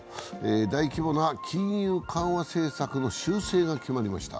大規模な金融緩和政策の修正が決まりました。